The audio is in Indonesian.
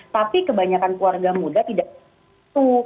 tapi kebanyakan keluarga muda tidak tahu